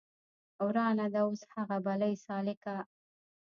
ورانه ده اوس هغه بلۍ سالکه